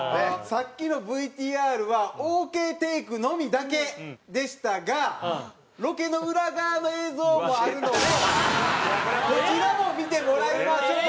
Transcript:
さっきのＶＴＲはＯＫテイクのみだけでしたがロケの裏側の映像もあるのでこちらも見てもらいましょう。